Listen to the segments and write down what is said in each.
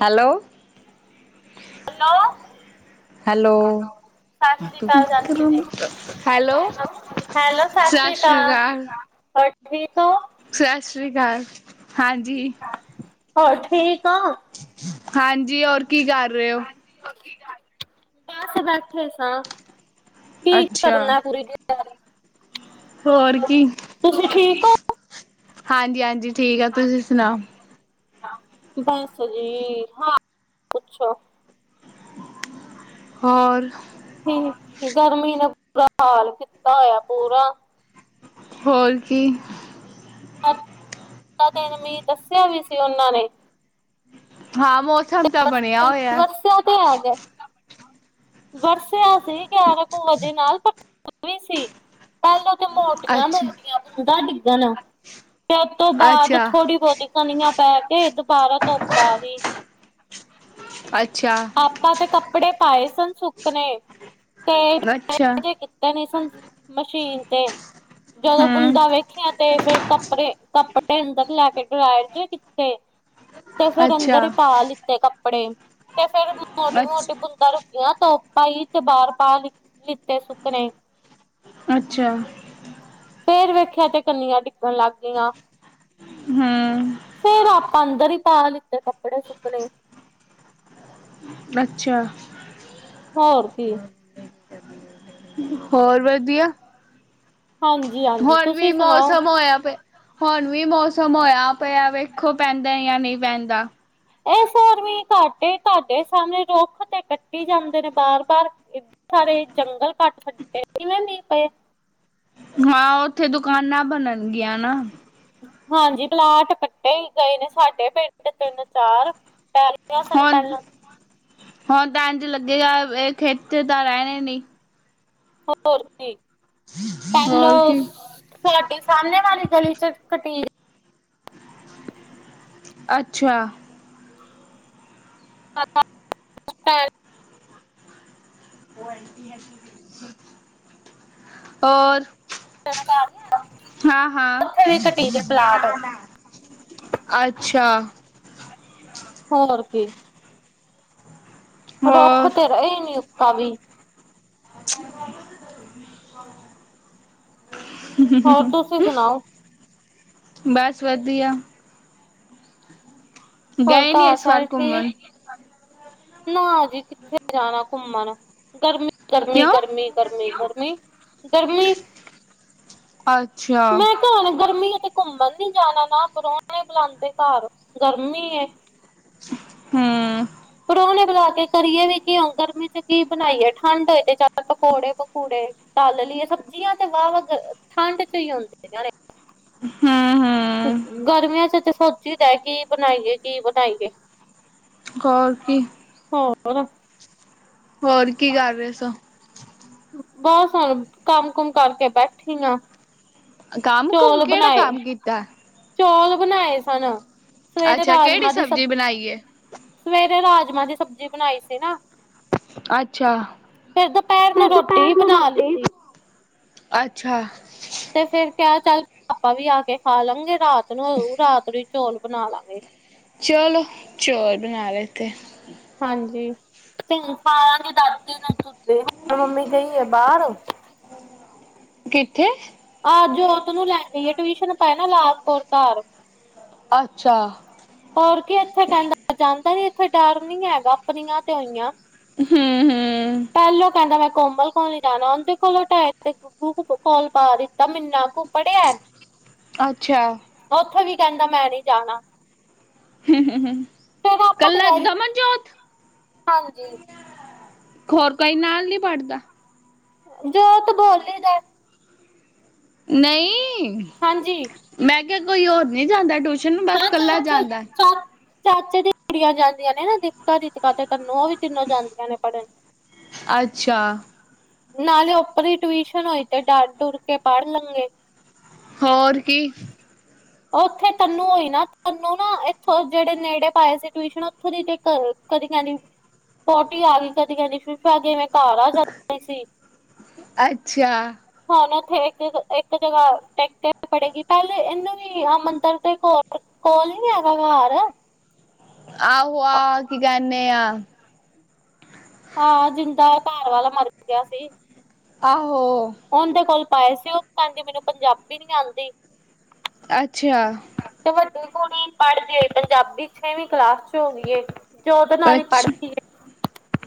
Hello. Hello. Hello. Sat Sri ਅਕਾਲ ਚਾਚੀ ਜੀ। [unintelligible] Hello hello Sat Sri ਸਛਰੀ ਅਕਾਲ ਕਾਲ। [unintelligible] ਸਤਿ ਸ਼੍ਰੀ ਅਕਾਲ ਹਾਂਜੀ। ਹੋਰ ਠੀਕ ਓਂ? ਹਾਂਜੀ, ਹੋਰ ਕੀ ਕਾਰ ਰੇ ਓ? [unintelligible] ਬਸ ਬੈਠੇ ਸਾਂ। ਕੀ ਅੱਛਾ ਕਰਨੈ ਪੂਰੀ [unintelligible] ਹੋਰ ਕੀ ਤੁਸੀਂ ਠੀਕ ਹੋ? ਹਾਂਜੀ-ਹਾਂਜੀ ਠੀਕ ਆ, ਤੁਸੀਂ ਸੁਣਾਓ? ਬਸ ਜੀ ਹਾ ਪੁੱਛੋ ਹੋਰ ਠੀਕ ਗਰਮੀ ਨੇ ਬੁਰਾ ਹਾਲ ਕੀਤਾ ਹੋਏਆ ਪੂਰਾ ਹੋਰ ਕੀ [unintelligible] ਦੱਸਿਆ ਵੀ ਸੀ ਉਹਨਾਂ ਨੇ, ਹਾਂ ਮੌਸਮ ਤਾਂ ਬਣਿਆ ਹੋਇਆ, ਦਸਿਆ ਤੇ ਹੈਗਾ। ਵਰਸਿਆ ਸੀ ਗਿਆਰਾਂ ਕੁ ਵਜੇ ਨਾਲ ਪਰ ਧੁੱਪ ਵੀ ਸੀ। ਪਹਿਲਾਂ ਤੇ ਅੱਛਾ ਮੋਟੀਆਂ-ਮੋਟੀਆਂ ਬੂੰਦਾ ਡਿੱਗਣ ਤੇ ਉਸਤ ਤੋਂ ਬਾਅਦ ਅੱਛਾ ਥੋੜ੍ਹੀ ਬਹੁਤੀ ਕਣੀਆਂ ਪੈ ਕੇ ਦੁਬਾਰਾ ਧੁੱਪ ਆ ਵੀ [inaudible] ਅੱਛਾ। ਆਪਾਂ ਤੇ ਕੱਪੜੇ ਪਾਏ ਸਨ, ਸੁੱਕਨੇ ਤੇ ਅੱਛਾ ਨਹੀਂ ਮਸ਼ੀਨ ਤੇ, ਜਦੋਂ ਹਮ ਬੁੰਦਾ ਵੇਖੀਆਂ। ਤੇ ਫਿਰ ਕੱਪੜੇ-ਕੱਪੜੇ ਅੰਦਰ ਲੈ ਕੇ ਡਰਾਇਰ ਜੇ ਕੀਤੇ। ਤੇ ਫੇਰ ਅੱਛਾ ਅੰਦਰ ਹੀ ਪਾ ਲਿੱਤੇ, ਕੱਪੜੇ ਤੇ ਫੇਰ ਅੱਛ ਮੋਟੀ-ਮੋਟੀ ਬ ਬੂੰਦਾ ਰੁਕੀਆਂ ਧੁੱਪ ਆਈ, ਤੇ ਬਾਹਾਰ ਪਾ ਲਿੱਤੇ ਸੁੱਕ ਨੇ। ਅੱਛਾ। ਫੇਰ ਵੇਖਿਆ, ਤੇ ਕੰਨੀਆਂ ਡਿੱਗਣ ਲੱਗ ਗਈਆਂ। ਹੂੰ, ਫੇਰ ਆਪਾਂ ਅੰਦਰ ਹੀ ਪਾ ਲਿੱਤੇ, ਕੱਪੜੇ-ਕੁਪੜੇ ਅੱਛਾ। ਹੋਰ ਕੀ, ਹੋਰ ਵਧੀਆ? ਹਾਂਜੀ ਹ ਹੁਣ ਵੀ ਮੌਸਮ ਹੋਇਆ ਪ ਹੁਣ ਵੀ ਮੌਸਮ ਹੋਇਆ ਪਿਆ ਵੇਖੋ, ਪੈਂਦਾ ਜਾਂ ਨਹੀਂ ਪੈਂਦਾ। ਇਸ ਵਾਰ ਮੀਂਹ ਘੱਟ ਹੀ ਘੱਟ ਏ ਸਾਮਣੇ ਰੁੱਖ ਤੇ ਕੱਟੀ ਜਾਂਦੇ, ਨੇ ਬਾਰ-ਬਾਰ, ਸਾਰੇ ਜੰਗਲ ਕੱਟ ਛੱਡੇ ਕਿਵੇਂ ਮੀਂਹ ਪਏ। ਹਾਂ ਉੱਥੇ ਦੁਕਾਨਾਂ ਬਣਨਗੀਆਂ ਨਾ, ਹਾਂਜੀ, ਪਲਾਟ ਕੱਟੇ ਹੀ ਗਏ ਨੇ, ਸਾਡੇ ਪਿੰਡ ਤਿੰਨ ਚਾਰ ਹੁਣ-ਹੁਣ ਤਾਂ ਇੰਝ ਲੱਗੇਗਾ, ਇਹ ਖੇਤੇ ਤਾਂ ਰਹਿਣੇ ਨੀ ਹੋਰ ਕੀ ਪਹਿਲੋ। ਹੋਰ ਕੀ ਤੁਹਾਡੇ ਸਾਹਮਣੇ ਵਾਲੀ ਗਲੀ ਚ ਕੱਟੀ ਅੱਛਾ। ਹਾਂ। ਔਰ ਹਾਂ-ਹਾਂ। ਉੱਥੇ ਵੀ ਕਟੀਜ ਪਲਾਟ ਅੱਛਾ। ਹੋਰ ਕੀ, ਰੁੱਖ ਹੋਰ ਤੇ ਰਹੇ ਨੀ ਉੱਕਾ ਵੀ। ਅੱਛਾ, ਹੋਰ ਤੁਸੀਂ ਸੁਣਾਓ? ਬਸ ਵਧੀਆ। ਹੋਰ ਗਏ ਨੀ ਘਰ ਇਸ ਵਾਰ ਸਾਰੇ ਠੀਕ, ਘੁੰਮਣ ਨਾ ਜੀ ਕਿੱਥੇ ਜਾਣਾ ਘੁੰਮਣ ਗਰਮੀ, ਗਰਮੀ, ਕਿਉਂ ਗਰਮੀ। ਗਰਮੀ, ਗਰਮੀ, ਗਰਮੀ, ਅੱਛਾ। ਮੈਂ ਗਰਮੀ ਇੱਥੇ ਘੁੰਮਣ ਨੀ ਜਾਣਾ, ਨਾ ਪ੍ਰਾਹੁਣੇ ਬੁਲਾਉਦੇ ਘਰ ਗਰਮੀ ਹੂੰ, ਪਰੋਣੇ ਬੁਲਾ ਕੇ ਕਰੀਏ ਵੀ, ਕਿਉਂ ਗਰਮੀ ਚ ਕੀ ਬਣਾਈਏ ਠੰਡ ਹੋਏ ਤੇ ਚਾਰ ਪਕੌੜੇ ਪਕੂੜੇ। ਤਲ ਲਈਏ ਸਬਜ਼ੀਆਂ ਤੇ ਵਾਹ ਵਾਹ ਠੰਡ ਚ ਹੀ ਆਉਂਦੇ, ਹੂੰ ਹੂੰ ਗਰਮੀਆਂ ਚ ਤੇ ਫ ਚ ਹੁੰਦਾ ਕੀ ਬਣਾਈਏ, ਕੀ ਬਣਾਈਏ? ਹੋਰ ਕੀ, ਹੋਰ, ਹੋਰ ਕੀ ਕਰ ਰਹੇ ਸਾ? ਬਹੁਤ ਹੁਣ ਕੰਮ ਕੁਮ ਕਰਕੇ ਬੈਠੀ ਆ। ਕੰਮ ਕੁਮ ਚੌਲ ਕਿਹੜਾ ਬਣਾਏ ਕੰਮ ਕੀਤਾ ਚੌਲ ਬਣਾਏ ਸਨ। ਸਵੇਰੇ ਅੱਛਾ ਕਿਹੜੀ ਰਾਜਮਾਂ ਦੀ ਸਬ ਸਬਜ਼ੀ ਬਣਾਈ ਏ? ਸਵੇਰੇ ਰਾਜਮਾਂ ਦੀ ਸਬਜ਼ੀ ਬਣਾਈ ਸੀ, ਨਾ ਅੱਛਾ। ਫਿਰ ਦੁਪਹਿਰ ਨੂੰ ਫਿਰ ਰੋਟੀ ਹੀ ਦੁਪਹਿਰ ਨੂੰ ਬਣਾ ਰੋਟੀ ਲਿੱਤੀ। ਅੱਛਾ, ਤੇ ਫਿਰ ਕਿਹਾ ਚੱਲ ਆਪਾ ਵੀ ਆ ਕੇ ਖਾ ਲਵਗੇ ਰਾਤ ਨੂੰ ਰਾਤ ਨੂੰ ਚੌਲ ਬਣਾ ਲਾਂਗੇ। ਚਲੋ ਚੋਲ ਬਣਾ ਲਤੇ, ਹਾਂਜੀ, ਦਾਦੀ ਮੰਮੀ ਗਈ ਹੈ ਬਾਹਰ। ਕਿੱਥੇ? ਆਹ ਜੋਤ ਨੂੰ ਲੈ ਗਈ ਆ, ਟਿਊਸ਼ਨ ਪਏ ਨਾ ਲਾਲ ਕੌਰ ਘਰ ਅੱਛਾ, ਹੋਰ ਕੇ ਇੱਥੇ ਕਹਿੰਦਾ ਜਾਂਦਾ ਨੀ, ਇੱਥੇ ਡਰ ਨੀ ਹੈਗਾ ਆਪਣੀਆਂ ਤੇ ਹੋਈਆਂ। ਹੂੰ-ਹੂੰ, ਪਹਿਲੋਂ ਕਹਿੰਦਾ ਮੈਂ ਕੋਮਲ ਕਲ ਜਾਣਾ ਉਹਦੇ ਕੋਲੋਂ ਟਾਈਮ ਤੇ ਪਾ ਦਿੱਤਾ ਮਿਨਾ ਕੁਪੜਿਆ। ਅੱਛਾ, ਉੱਥੇ ਵੀ ਕਹਿੰਦਾ ਮੈਂ ਨੀ ਜਾਣਾ ਹੂੰ-ਹੂੰ-ਹੂੰ, ਫੇਰ ਆਪਾਂ ਤੇ ਕੱਲਾ ਗਏ ਦਮਨਜੋਤ, ਹਾਂਜੀ, ਹੋਰ ਕਈ ਨਾਲ ਨੀ ਬੜਦਾ। ਜੋਤ ਬੋਲਦੇ ਦਾ, ਨਹੀਂ, ਹਾਂਜੀ, ਮੈਂ ਕਿਹਾ ਕੋਈ ਹੋਰ ਨੀ ਜਾਂਦਾ ਟੁ ਹਾਂ ਚਾਚੇ ਚਾ ਚਾਚੇ ਦੀ ਕੁੜੀਆਂ ਜਾਂਦੀਆਂ ਨੇ ਨਾ ਦਿੱਕਾ ਦੀਤਕਾ ਤੇ ਤੈਨੂੰ ਉਹ ਵੀ ਤਿੰਨੋ ਜਾਂਦੀਆਂ ਨੇ ਪੜ੍ਹਨ, ਅੱਛਾ। ਨਾਲੇ ਉੱਪਰਲੀ ਟਿਊਸ਼ਨ ਹੋਈ ਤੇ ਡਰ ਡੁਰ ਕੇ ਪੜ੍ਹ ਲੰਗੇ। ਹੋਰ ਕੀ, ਉੱਥੇ ਤੈਨੂੰ ਹੋਈ, ਨਾ ਤੈਨੂੰ ਨਾ ਇੱਥੋਂ ਜਿਹੜੇ ਨੇੜੇ ਪਾਏ ਸੀ, ਟਿਊਸ਼ਨ ਉੱਥੋਂ ਦੀ ਕਦੀ ਕਹਿੰਦੀ ਪੋਟੀ ਆ ਗਈ, ਕਦੀ ਕਹਿੰਦੀ ਸੁਸੂ ਆ ਗੀ ਮੈਂ, ਤਾਰਾ ਚਦਾ ਸੀ ਅੱਛਾ। ਹੁਣ ਉੱਥੇ ਇੱਕ ਇੱਕ ਜਗ੍ਹਾ ਟੈਕ ਕੇ ਪੜੇਗੀ, ਪਹਿਲੇ ਇਹਨੂੰ ਅ ਮੰਦਰ ਦੇ ਕੋਲ-ਕੋਲ ਨੀ ਹੈਗਾ ਘਰ, ਆਹੋ ਆਹੋ ਕੀ ਕਹਿੰਦੇ ਆ। ਹਾਂ ਜਿੰਦਾ ਘਰ ਵਾਲਾ ਮਰ ਗਿਆ ਸੀ। ਆਹੋ, ਉਹਦੇ ਕੋਲ ਪਾਏ ਸੀ, ਉਹ ਕਹਿੰਦੀ ਮੈਨੂੰ ਪੰਜਾਬੀ ਨੀ ਆਦੀ। ਅੱਛਾ, ਤੇ ਵੱਡੀ ਕੁੜੀ ਪੜ੍ਹਦੀ ਪੰਜਾਬੀ ਛੇਵੀਂ ਕਲਾਸ ਚ ਹੋਗੀ ਐ। ਜੋਦੇ ਨਾਲ ਹੀ ਅੱਛ ਪੜ੍ਹਦੀ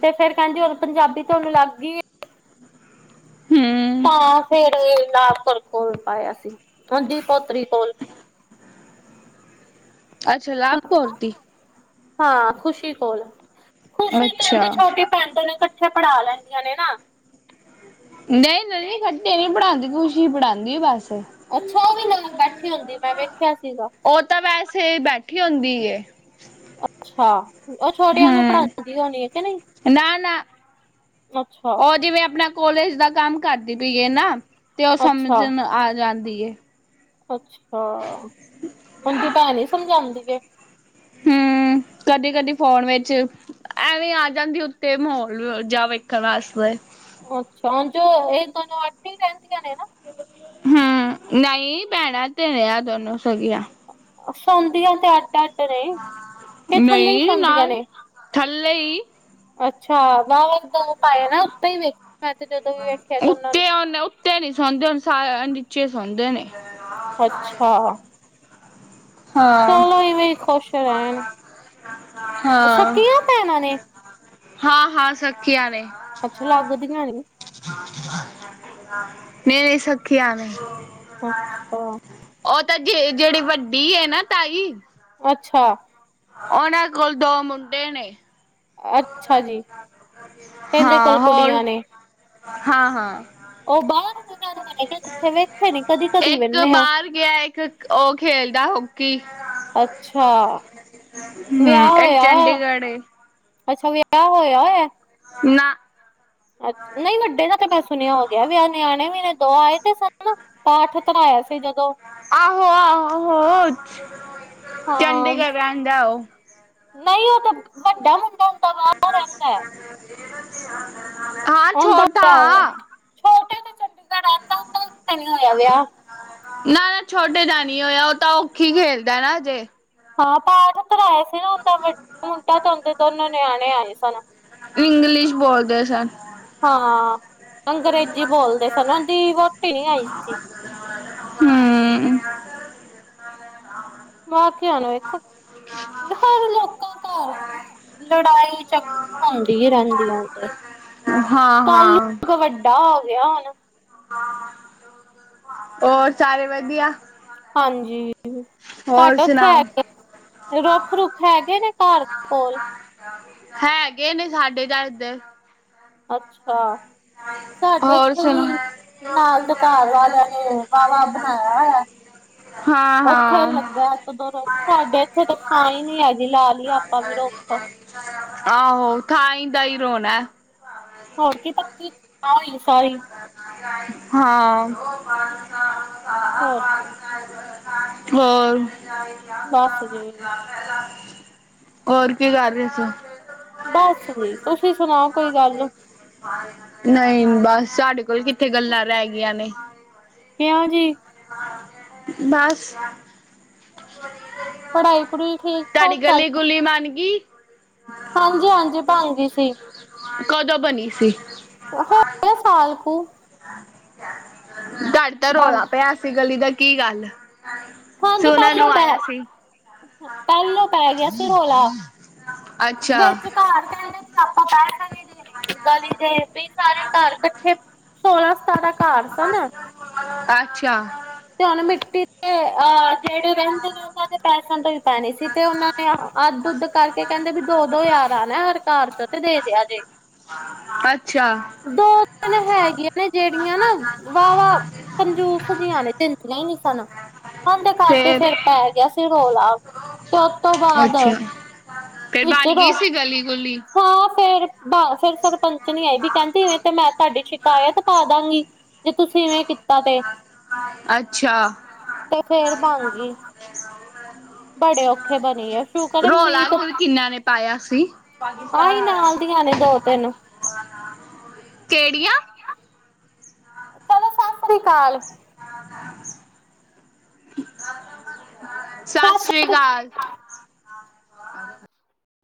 ਤੇ ਫੇਰ ਕਹਿੰਦੀ ਉਦੋਂ ਪੰਜਾਬੀ ਤੇਾਨੂੰ ਲੱਗਈ। ਹੂੰ। ਤਾਂ ਫੇਰ ਲਵਕੁਰ ਕੋਲ ਪਾਇਆ ਸੀ ਹਾਂਜੀ ਪੋਤਰੀ ਕੋਲ ਅੱਛਾ ਲਾਭ ਕੌਰ ਦੀ, ਹਾਂ ਖੁਸ਼ੀ ਕੋਲ, ਅੱਛਾ, ਛੋਟੇ ਪੈਂਦੇ ਨੇ ਇਕੱਠੇ ਪੜ੍ਹਾ ਲੈਂਦੀਆਂ ਨੇ ਨਾ। ਨਹੀਂ ਨਹੀਂ ਖੱਟੇ ਨੀ ਪੜਾਂਦੀ ਖੁਸ਼ੀ ਪੜ੍ਹਾਉਂਦੀ ਬਸ। ਅੱਛਾ ਉਹਦੇ ਨਾਲ ਬੈਠੀ ਹੁੰਦੀ ਮੈਂ ਵੇਖਿਆ ਸੀਗਾ। ਉਹ ਤਾਂ ਵੈਸੇ ਬੈਠੀ ਹੁੰਦੀ ਏ ਅੱਛਾ, ਉਹ ਛੋਟਿਆਂ ਨੂੰ ਪੜ੍ਹਾ ਹਮ ਸਕਦੀ ਹੋਣੀ ਹੈ, ਕਿ ਨਹੀਂ ਨਾ ਨਾ ਅੱਛਾ। ਉਹ ਜਿਵੇਂ ਆਪਣਾ ਕੋਲੇਜ ਦਾ ਕੰਮ ਕਰਦੀ ਪਈ ਏ ਨਾ, ਤੇ ਉਹ ਅੱਛਾ ਸਮਝਣ ਆ ਜਾਂਦੀ ਏ ਅੱਛਾ, ਔੰਦੀ ਭੈਨ ਹੀ ਸਮਝਾਉਂਦੀ ਹੈ ਹੂ ਕਦੀ-ਕਦੀ ਫੋਨ ਵਿੱਚ ਐਵੇਂ ਆ ਜਾਂਦੀ ਉੱਤੇ, ਮਾਹੌਲ ਜਾ ਵੇਖਣ ਵਾਸਤੇ ਅੱਛਾ, ਹ ਜੋ ਇਹ ਦੋਨੋ ਅਡ ਹੀ ਰਹਿੰਦੀਆਂ ਨੇ ਨਾ ਹੂ, ਨਹੀਂ ਭੈਣਾ ਤੇ ਨੇ ਐ ਦੋਨੋ ਸਗੀਆਂ ਸੌਦੀਆਂ ਤੇ ਆਡ ਅਡ ਨਹੀਂ ਨਾਲ, ਨੇ ਥੱਲੇ ਹੀ ਅੱਛਾ ਵਾਹ ਦੋ ਪਾਏ ਨਾ ਉੱਤੇ ਹੀ ਵੇਖਆ, ਮੈਂ ਤੇ ਜਦੋਂ ਵੀ ਵੇਖਿਆ ਤੇ ਉਹਨਾਂ ਨੂੰ ਉਤੇ ਨੀ ਸੌਦੇ, ਹੁਣ ਸ ਨੀਚੇ ਸੌਦੇ ਨੇ ਅੱਛਾ। ਹਾਂ, ਚਲੋ, ਇਵੇਂ ਹੀ ਖੁਸ਼ ਰਹਿਣ ਹਾਂ, ਸਕੀਆਂ ਭੈਣਾਂ ਨੇ ਹਾਂ-ਹਾਂ ਸਕਿਆ ਨੇ ਅੱਛਾ, ਲਾਗੋ ਦੀ ਨਿਆਨੀ ਮੇਰੀ ਸਖੀ ਐਵੇ ਹੀ ਅੱਛਾ। ਉਹ ਤਾਂ ਗੇ, ਜਿਹੜੀ ਵੱਡੀ ਹੈ ਨਾ ਤਾਈ ਅੱਛਾ। ਉਹਨਾਂ ਕੋਲ ਦੋ ਮੁੰਡੇ ਨੇ ਅੱਛਾ ਜੀ। ਐਦੇ ਕੋਲ ਹਾਂ ਹੋਰ ਕੁੜੀਆਂ ਨੇ ਹਾਂ-ਹਾਂ। ਉਹ ਬਾਹਰ ਦੇ ਘਰ ਰੈ ਕੇ ਕਿਥੇ ਵੇਖੇ ਨੀ, ਕਦੀ ਕਦੀ ਇੱਕ ਵਹਿੰਨੇ ਆ ਬਾਹਰ ਗਿਆ ਇੱਕ ਉਹ ਖੇਲਦਾ ਹੋ ਕੀ ਅੱਛਾ, ਹੂੰ ਵਿਆਹ ਇੱਕ ਹੋਇਆ ਚੰਡੀਗੜ੍ਹ ਏ। ਅੱਛਾ, ਵੀ ਵਿਆਹ ਹੋਇਆ ਹੋਇਆ ਨਾ ਅੱ ਨਹੀਂ ਵੱਡੇ ਦਾ ਤੇ ਮੈਂ ਸੁਣਿਆ ਹੋ ਗਿਆ ਵਿਆਹ, ਨਿਆਣੇ ਵੀ ਨੇ, ਦੋ ਆਏ ਤੇ ਸਨ ਪਾਠ ਧਰਾਇਆ ਸੀ ਜਦੋਂ ਆਹੋ-ਆਹੋ ਹਾਂ ਜਾਓ ਨਹੀਂ ਉਹ ਤਾਂ ਵੱਡਾ ਮੁੰਡਾ ਹੁੰਦਾ ਬਾਹਰ ਰਹਿੰਦਾ। ਹਾਂ ਉਹਦਾ ਛੋਟਾ ਵਿਆਹ ਹੋਇਆ। ਆ ਛੋਟੇ ਤੇ ਚੰਡੀਗੜ੍ਹ ਰਹਿੰਦਾ, ਔ ਦਾ, ਤੇ ਨਹੀਂ ਹੋਇਆ ਵਿਆਹ ਨਾ-ਨਾ ਛੋਟੇ ਦਾ ਨਹੀਂ ਹੋਇਆ, ਉਹ ਤਾਂ ਹੌਕੀ ਖੇਲਦਾ ਨਾ ਹਜੇ ਹਾਂ ਧਰਾਇਆ ਸੀ ਨਾ, ਔ ਤਾਂ ਵੱ ਹੁਣ ਤਾਂ ਔ ਦੇ, ਦੋਨੋ ਨਿਆਣੇ ਆਏ ਸਨ ਇੰਗਲਿਸ਼ ਬੋਲਦੇ ਸਨ ਹਾਂ ਅੰਗਰੇਜ਼ੀ ਬੋਲਦੇ ਸਨ, ਉਹਦੀ ਵਹੁਟੀ ਹੀ ਨਹੀਂ ਆਈ ਸੀ ਹੂ ਬਾਦ ਚ ਹੀ ਹੋਣਾ, ਵੇਖੋ ਹਰ ਲੋਕਾਂ ਘਰ ਨਾ [unintelligible] ਲੜਾਈ ਚੱ ਹੁੰਦੀ ਹੀ ਰਹਿੰਦੀ ਆ ਉੱ ਤੇ ਹਾਂ ਕੱਲ ਹਾਂ ਇਕ ਵੱਡਾ ਹੋ ਗਿਆ ਹੁਣ ਹੋਰ ਸਾਰੇ ਵਧੀਆ ਹਾਂਜੀ। ਹੋਰ ਤੁਹਾਡੇ ਉਥੇ ਸੁਣਾਓ ਹੈਗੇ, ਰੁੱਖ ਰੁੱਖ ਹੈਗੇ ਨੇ ਘਰ ਦੇ ਕੋਲ ਹੈਗੇ ਨੇ ਸਾਡੇ ਤਾਂ ਐਧਰ। ਅੱਛਾ, ਸਾਡੇ ਹੋਰ ਇੱਥੇ ਸੁਣਾ ਵੀ ਨਾਲ ਕਟਾਰ ਵਾਲਿਆਂ ਨੇ ਵਾਹਵਾ ਬਿਠਾਇਆ ਹੋਇਆ ਹਾਂ। ਉੱਥੇ ਹਾਂ ਲੱਗਾ ਇੱਕ ਦੋ ਰੋਜ਼ ਸਾਡੇ ਇੱਥੇ ਤਾਂ ਥਾਂ ਹੀ ਨੀ ਹੈਗੀ ਲਾ ਲਈ ਆਪਾਂ ਵੀ ਰੋਕ ਟੋਕ ਆਹੋ ਖਾਈ ਦਾ ਹੀ ਰੋਣਾ ਹੋਰ ਕੀ ਪੱਕੀ ਆ ਰਹੀ ਸਾਰੇ ਹਾਂ ਹੋਰ ਕੀ ਹੋਰ ਬਸ ਜੀ ਹੋਰ ਕੀ ਕਰ ਰਹੇ ਸੀ। ਬਸ ਜੀ ਤੁਸੀਂ ਸੁਣਾਓ ਕੋਈ ਗੱਲ ਨਹੀਂ ਬਸ ਸਾਡੇ ਕੋਲ ਕਿੱਥੇ ਗੱਲਾਂ ਰਹਿ ਗਈਆਂ ਨੇ ਕਿਹਾ ਜੀ ਬੱਸ ਪੜਾਈ ਪੜ੍ਹ ਠੀਕ ਤੁਹਾਡੀ ਠਾਕ ਚੱਲ ਗਲੀ ਗੁਲੀ ਬੰਨ ਗਈ ਹਾਂਜੀ ਹਾਂਜੀ ਬਣ ਗਈ ਸੀ। ਕਦੋਂ ਬਣੀ ਸੀ। ਹੋ ਗਏ ਸਾਲਕੂ ਘਟ ਤਾਂ ਬਣ ਰੌਲਾ ਪਿਆ ਸੀ ਗਲੀ ਦਾ ਕੀ ਗੱਲ ਸੋਨਾ ਨੂੰ ਆਇਆ ਸੀ। ਪਹਿਲੇ ਪੈ ਗਿਆ ਸੀ ਰੋਲਾ ਅੱਛਾ, ਘਰ ਕਹਿੰਦੇ ਵੀ ਆਪਾਂ ਪੈਸੇ ਨੀ ਦੇਣੇ ਗਲੀ ਦੇ ਸਾਰੇ ਘਰ ਇਕੱਠੇ ਸੋਲਾਂ ਸਤਾਰਾਂ ਘਰ ਸਨ [unintelligible] ਅੱਛਾ। ਤੇ ਹੁਣ ਮਿੱਟੀ ਦੇ ਅਹ ਜਿਹੜੇ ਰਹਿੰਦੇ ਨੇ ਉਹ ਉਹਨਾਂ ਨੇ ਪੈਸਾ ਦਿੱਤਾ ਸੀ ਤੇ ਉਹਨਾਂ ਨੇ ਅੱਧ ਉੱਧ ਕਰਕੇ ਕਹਿੰਦੇ ਵੀ ਦੋ ਦੋ ਯਾਰ ਆ ਨਾ ਹਰ ਘਰ ਚ ਤੇ ਦੇ ਜੇ ਅੱਛਾ। ਦੋ ਹੈਗੀਆਂ ਨੇ ਜਿਹੜੀਆਂ ਨਾ ਵਾਹ ਕੰਜੂਸ ਜੀਆਂ ਨੇ ਦਿੰਦੀਆਂ ਹੀ ਨਹੀਂ ਸਨ ਹੁੰਦੇ ਕਰਕੇ ਫੇਰ ਫਿਰ ਪੈ ਗਿਆ ਸੀ ਰੋਲਾ ਤੇ ਉਸ ਤੋਂ ਬਾਅਦ ਅੱਛਾ, ਫੇਰ ਬਣ ਵਿੱਚੋ ਗਈ ਸੀ ਗਲੀ ਗੁਲੀ? ਹਾਂ ਫਿਰ ਫਿਰ ਸਰਪੰਚ ਨੀ ਆਏ ਵੀ ਕਹਿੰਦੀ ਇਵੇਂ ਤੇ ਮੈਂ ਤੁਹਾਡੀ ਸ਼ਿਕਾਇਤ ਪਾ ਦਾਂਗੀ ਜੇ ਤੁਸੀਂ ਇਵੇਂ ਕੀਤਾ ਤੇ ਅੱਛਾ, ਤੇ ਫਿਰ ਬਣ ਗਈ ਬੜੇ ਔਖੇ ਬਣੀ ਆ ਸ਼ੁਕਰ ਮੀਂਹ ਰੌਲਾ ਤਾਂ ਕਿਹਨਾਂ ਨੇ ਪਾਇਆ ਸੀ? ਆਹੀ ਨਾਲ ਦੀਆਂ ਨੇ ਦੋ ਤਿੰਨ ਕਿਹੜੀਆਂ ਚਲੋ ਸਤਿ ਸ੍ਰੀ ਅਕਾਲ ਸਤਿ ਸ੍ਰੀ ਅਕਾਲ